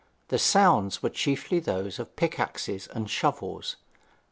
The sounds were chiefly those of pickaxes and shovels.